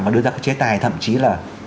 và đưa ra cái chế tài thậm chí là